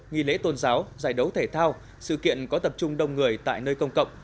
nghỉ lễ tôn giáo giải đấu thể thao sự kiện có tập trung đông người tại nơi công cộng